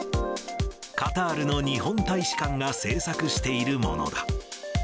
カタールの日本大使館が制作しているものだ。